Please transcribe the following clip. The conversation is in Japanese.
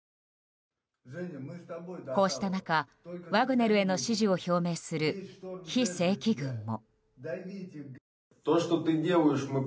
こうした中、ワグネルへの支持を表明する非正規軍も。